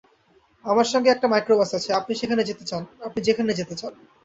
আমার সঙ্গে একটা মাইক্রোবাস আছে, আপনি যেখানে যেতে চান।